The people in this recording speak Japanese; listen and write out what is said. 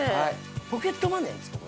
ポケットマネーですか？